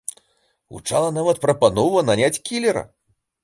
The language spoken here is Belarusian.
Гучала нават прапанова наняць кілера.